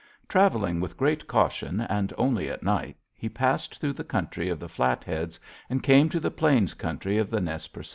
"Traveling with great caution, and only at night, he passed through the country of the Flatheads, and came to the plains country of the Nez Percés.